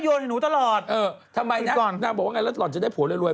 ตอนนี้พัดคุณปังหน้าหมดต้องจับหน้าคุณไม่ได้เลย